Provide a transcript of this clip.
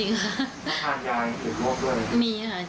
มันทานยายหรือรวบด้วย